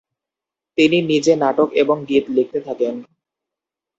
তিনি নিজে নাটক এবং গীত লিখতে থাকেন।